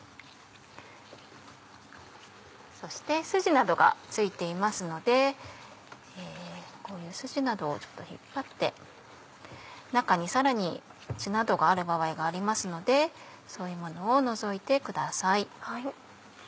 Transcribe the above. そしてスジなどが付いていますのでこういうスジなどをちょっと引っ張って中にさらに血などがある場合がありますのでそういうものを除いてください。